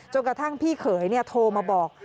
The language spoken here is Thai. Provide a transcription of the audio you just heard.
กระทั่งพี่เขยโทรมาบอก